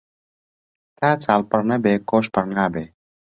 تا چاڵ پڕ نەبێ کۆش پڕ نابێ